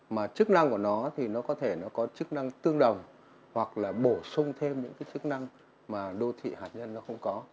mà chức năng của nó thì nó có thể nó có chức năng tương đồng hoặc là bổ sung thêm những cái chức năng mà đô thị hạt nhân nó không có